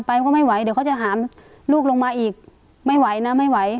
ก็ไม่ไหวเดี๋ยวเขาจะหามลูกลงมาอีกไม่ไหวนะไม่ไหว